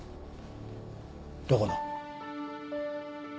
どこの？